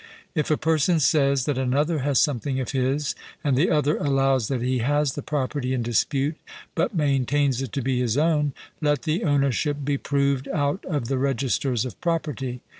If a person says that another has something of his, and the other allows that he has the property in dispute, but maintains it to be his own, let the ownership be proved out of the registers of property.